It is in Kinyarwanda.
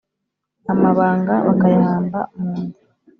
amabanga bakayahamba mu nda